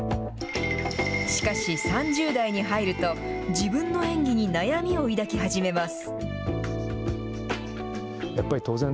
しかし３０代に入ると、自分の演技に悩みを抱き始めます。